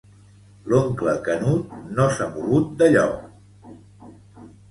L'oncle Canut no s'ha mogut de lloc.